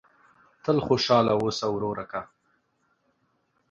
تل خوشاله اوسه ورورکه !